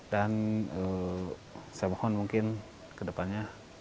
dan saya mohon mungkin kedepannya